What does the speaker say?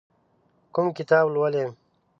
کوم کتاب لولئ؟